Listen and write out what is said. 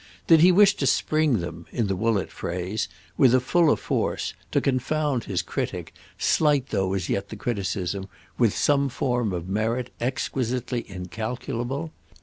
Did he wish to spring them, in the Woollett phrase, with a fuller force—to confound his critic, slight though as yet the criticism, with some form of merit exquisitely incalculable?